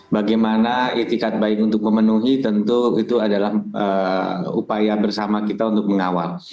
bagaimana etikat baik untuk memenuhi tentu itu adalah upaya bersama kita untuk mengawal